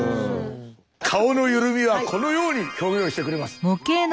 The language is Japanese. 顔の緩みはこのように表現をしてくれます。